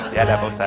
iya dapet ustaz